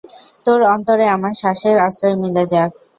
তোর অন্তরে আমার শ্বাসের আশ্রয় মিলে যাক।